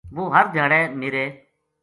وُہ ہر دھیاڑے میرے